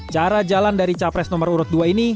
cara jalan dari capres nomor urut dua ini